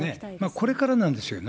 これからなんですよね。